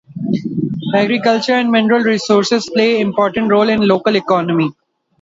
Agriculture and mineral resources play important roles in the local economy.